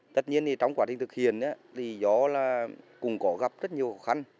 tất nhiên trong quá trình thực hiện thì gió là cũng có gặp rất nhiều khó khăn